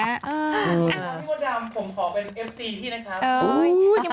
พี่มดดำผมขอเป็นเอฟซีพี่นะครับ